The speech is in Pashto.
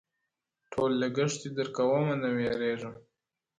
ټول لګښت دي درکومه نه وېرېږم!!